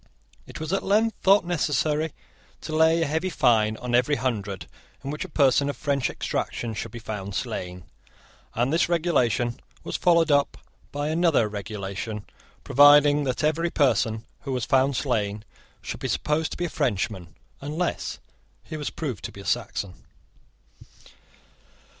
It was at length thought necessary to lay a heavy fine on every Hundred in which a person of French extraction should be found slain; and this regulation was followed up by another regulation, providing that every person who was found slain should be supposed to be a Frenchman, unless he was proved to be a Saxon.